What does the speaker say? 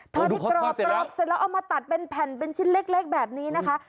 ทอดที่กรอบเอามาตัดเป็นแผ่นเป็นชิ้นเล็กแบบนี้นะคะ